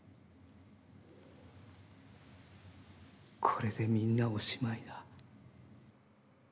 これで、みんなおしまいだ。